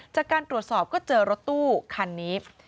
จากการตรวจสอบก็เจอรถตู้คันนี้